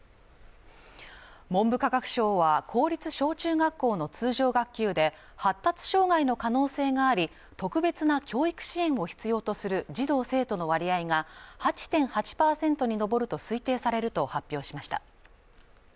文部科学省は公立小中学校の通常学級で発達障害の可能性があり特別な教育支援を必要とする児童生徒の割合が８．８％に上ると推定されると発表しました